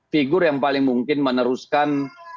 figur yang paling mungkin meneruskan